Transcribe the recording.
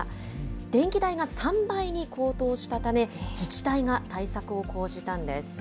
電気代が３倍に高騰したため、自治体が対策を講じたんです。